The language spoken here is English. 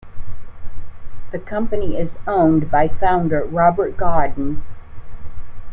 The company is owned by founder Robert Godin.